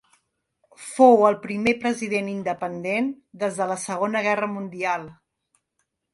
Fou el primer president independent des de la Segona Guerra Mundial.